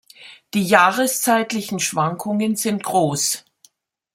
Die jahreszeitlichen Schwankungen sind groß.